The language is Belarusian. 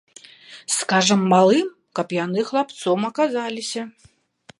Скажам малым, каб яны хлапцом аказаліся.